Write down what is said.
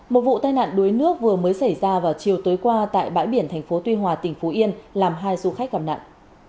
một vụ tai nạn đuối nước vừa mới xảy ra vào chiều tối qua tại bãi biển thành phố tuy hòa tỉnh phú yên làm hai du khách gặp nạn